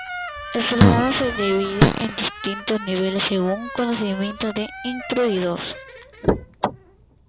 El programa se divide en distintos niveles, según los conocimientos del instruido.